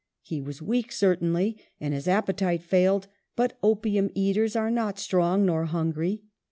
He was weak, certainly, and his appetite failed ; but opium eaters are not strong nor hungry.